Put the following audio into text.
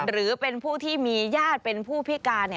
หรือเป็นผู้ที่มีญาติเป็นผู้พิการ